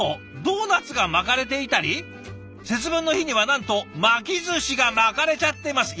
ドーナツが巻かれていたり節分の日にはなんと巻きずしが巻かれちゃってます。